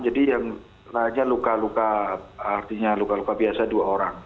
jadi yang lainnya luka luka artinya luka luka biasa dua orang